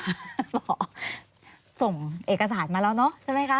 รอส่งเอกสารมาแล้วเนอะใช่ไหมคะ